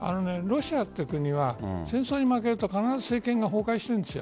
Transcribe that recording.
ロシアという国は戦争に負けると必ず政権が崩壊しているんです。